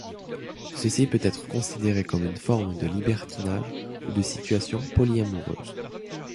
Ceci peut être considéré comme une forme de libertinage ou de situation polyamoureuse.